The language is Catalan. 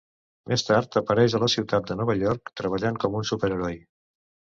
Més tard, apareix a la ciutat de Nova York, treballant com un superheroi.